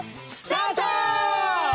スタート！